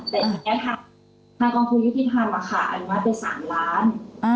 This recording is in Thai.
แต่ทีนี้ทางกองคลุยุทธิธรรมค่ะอันนี้มาเป็น๓ล้าน